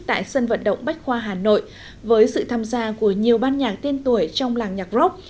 tại sân vận động bách khoa hà nội với sự tham gia của nhiều ban nhạc tiên tuổi trong làng nhạc rock